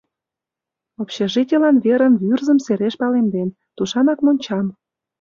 Общежитийлан верым Вӱрзым сереш палемден, тушанак мончам.